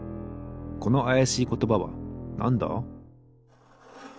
このあやしいことばはなんだ？